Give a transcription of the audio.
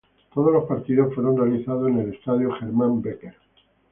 Todos los partidos fueron realizados en el Estadio Germán Becker.